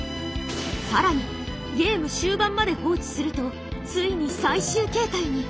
更にゲーム終盤まで放置するとついに最終形態に！